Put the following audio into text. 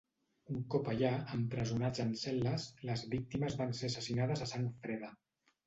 Un cop allà, empresonats en cel·les, les víctimes van ser assassinades a sang freda.